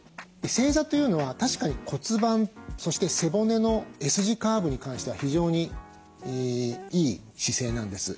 正座というのは確かに骨盤そして背骨のＳ字カーブに関しては非常にいい姿勢なんです。